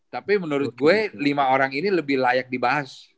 tapi menurut gue lima orang ini lebih layak dibahas